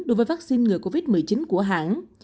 đối với vaccine ngừa covid một mươi chín của hãng